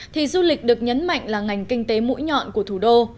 thì du lịch được nhấn mạnh là ngành kinh tế mũi nhọn của thủ đô